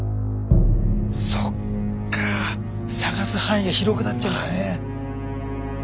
そっか捜す範囲が広くなっちゃうんですね。